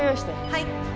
はい。